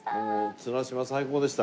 綱島最高でした。